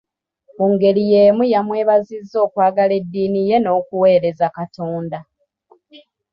Mu ngeri yemu yamwebazizza okwagala eddiini ye n'okuweereza Katonda.